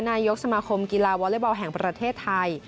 นายกสมาคมกีฬาวอเล็กบอลแห่งประเทศไทย